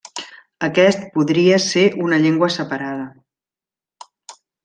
Aquest podria ser una llengua separada.